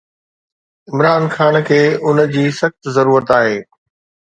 عمران خان کي ان جي سخت ضرورت آهي.